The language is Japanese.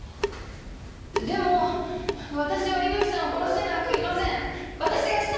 「でも私は伊吹さんを殺してなんかいません！」